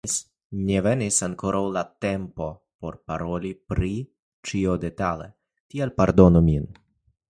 Ne venis ankoraŭ la tempo, por paroli pri ĉio detale, tial pardonu min.